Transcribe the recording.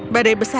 badai besar aku